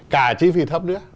cả chi phí thấp nữa